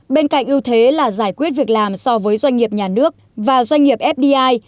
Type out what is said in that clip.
bên cạnh ưu thế là giải quyết việc làm so với doanh nghiệp nhà nước và doanh nghiệp fdi